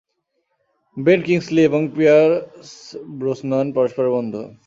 Ben Kingsley এবং Pierce Brosnan পরস্পরের বন্ধু।